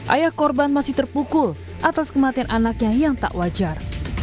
ayah korban masih terpukul atas kematian anaknya yang tak wajar